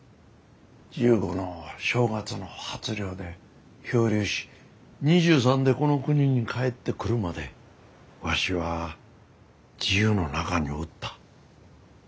１５の正月の初漁で漂流し２３でこの国に帰ってくるまでわしは自由の中におった。